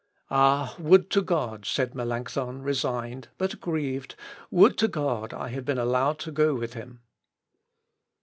"Ah! would to God," said Melancthon, resigned, but grieved, "would to God I had been allowed to go with him."